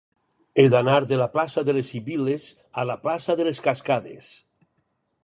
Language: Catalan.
He d'anar de la plaça de les Sibil·les a la plaça de les Cascades.